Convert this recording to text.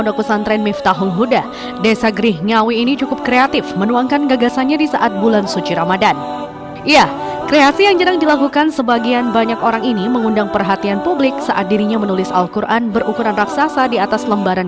kiai haji ali shamsudin yusuf hussein